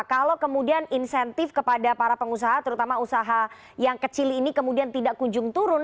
kalau kemudian insentif kepada para pengusaha terutama usaha yang kecil ini kemudian tidak kunjung turun